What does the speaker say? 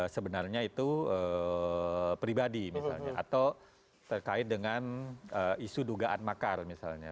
sebenarnya itu pribadi misalnya atau terkait dengan isu dugaan makar misalnya